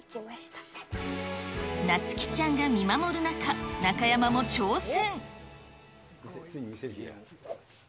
なつ希ちゃんが見守る中、中山も挑戦。